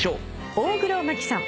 大黒摩季さん